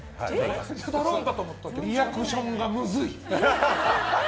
リアクションがむずい！